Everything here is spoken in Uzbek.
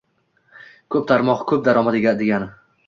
Ko‘p tarmoq ko‘p daromad degani